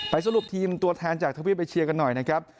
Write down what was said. สรุปทีมตัวแทนจากทวีปเอเชียกันหน่อยนะครับ